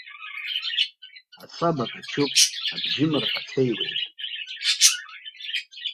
Асаба качуп, абжьымра кацеиуеит.